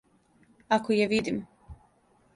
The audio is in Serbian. Ако је видим.